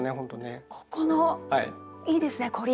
ここのいいですね凝り。